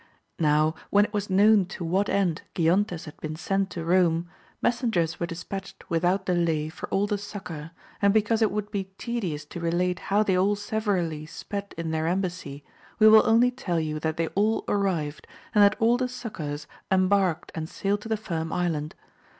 Now when it was known to what end Giontes had been sent to Eome, messengers were dispatched with out delay for all the succour, and because it would.be tedious to relate how they all severally sped in their embassy, we will only tell you that they all arrived, and that all the succours embarked and sailed to the Firm Island.